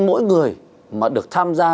mỗi người mà được tham gia